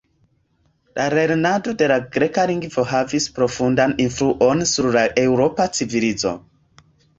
La lernado de la Greka lingvo havis profundan influon sur la Eŭropa civilizo.